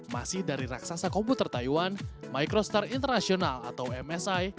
masih dari raksasa komputer taiwan microstar international atau msi